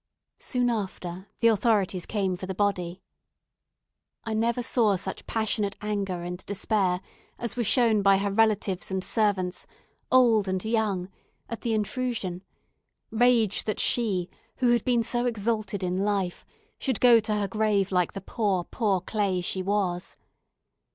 Soon after, the authorities came for the body. I never saw such passionate anger and despair as were shown by her relatives and servants, old and young, at the intrusion rage that she, who had been so exalted in life, should go to her grave like the poor, poor clay she was.